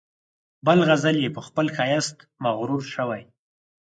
بل غزل یې په خپل ښایست مغرور شوی.